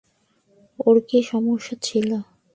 ওর কী সমস্যা ছিল?